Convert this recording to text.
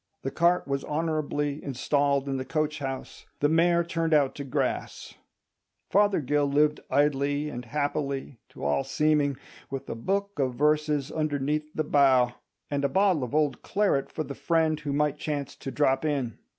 The cart was honourably installed in the coach house, the mare turned out to grass. Fothergill lived idly and happily, to all seeming, with "a book of verses underneath the bough," and a bottle of old claret for the friend who might chance to drop in.